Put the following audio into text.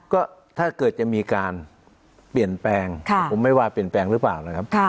ก็ถ้าเกิดจะมีการเปลี่ยนแปลงผมไม่ว่าเปลี่ยนแปลงหรือเปล่านะครับ